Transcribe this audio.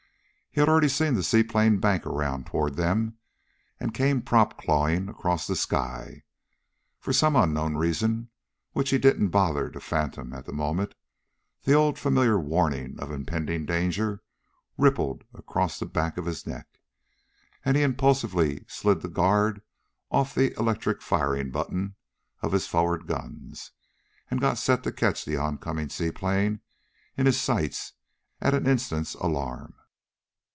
He had already seen the seaplane bank around toward them and came prop clawing across the sky. For some unknown reason, which he didn't bother to fathom at that moment, the old familiar warning of impending danger rippled across the back of his neck. And he impulsively slid the guard off the electric firing button of his forward guns, and got set to catch the oncoming seaplane in his sights at an instant's alarm.